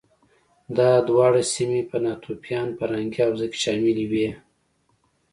دا دواړه سیمې په ناتوفیان فرهنګي حوزه کې شاملې وې